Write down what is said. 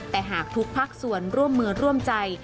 แต่หากทุกภาคส่วนร่วมมือร่วมใจ